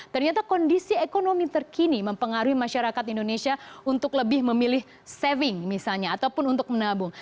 ternyata kondisi ekonomi terkini mempengaruhi masyarakat indonesia untuk lebih memilih saving misalnya ataupun untuk menabung